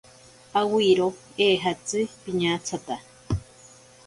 Awiro eejatzi piñatsata.